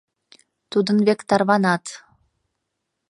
Тудын век тарванат.